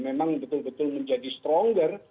memang betul betul menjadi stronger